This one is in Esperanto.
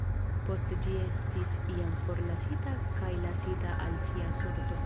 Poste ĝi estis jam forlasita kaj lasita al sia sorto.